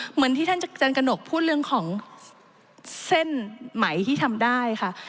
เหมือนที่ท่านจันกระหนกพูดเรื่องของเส้นไหมที่ทำได้ค่ะ